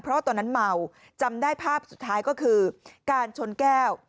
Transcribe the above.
เพราะตอนนั้นเมาจำได้ภาพสุดท้ายก็คือการชนแก้ว